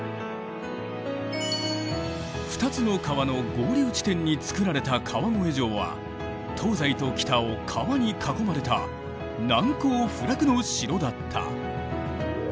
２つの川の合流地点につくられた川越城は東西と北を川に囲まれた難攻不落の城だった。